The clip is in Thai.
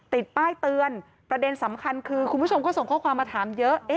ติดป้ายเตือนประเด็นสำคัญคือคุณผู้ชมก็ส่งข้อความมาถามเยอะ